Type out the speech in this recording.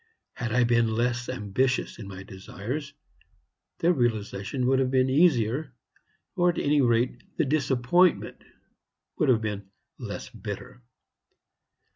Had I been less ambitious in my desires, their realization would have been easier, or, at any rate, the disappointment would have been less bitter.